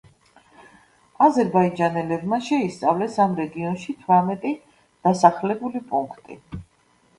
აზერბაიჯანელებმა შეისწავლეს ამ რეგიონში თვრამეტი დასახლებული პუნქტი.